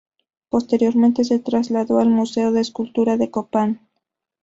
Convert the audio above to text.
Posteriormente se trasladó al Museo de Escultura de Copán.